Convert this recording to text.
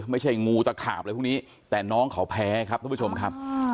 ไม่ใช่งูตะขาบอะไรพวกนี้แต่น้องเขาแพ้ครับทุกผู้ชมครับ